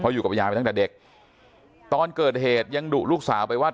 อยู่กับยายไปตั้งแต่เด็กตอนเกิดเหตุยังดุลูกสาวไปว่า